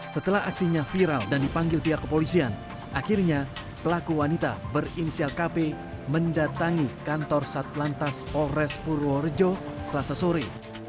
setelah aksinya viral dan dipanggil pihak kepolisian akhirnya pelaku wanita berinisial kp mendatangi kantor satlantas polres purworejo selasa sore